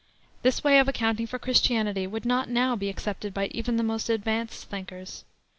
This way of accounting for Christianity would not now be accepted by even the most "advanced" thinkers.